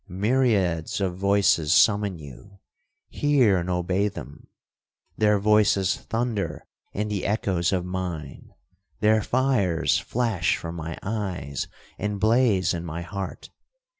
—myriads of voices summon you—hear and obey them! Their voices thunder in the echoes of mine—their fires flash from my eyes, and blaze in my heart.